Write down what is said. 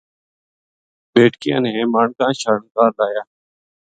بیٹکیاں نے مانکا شانکا لایا۔